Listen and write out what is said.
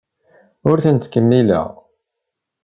Ur tent-ttkemmileɣ.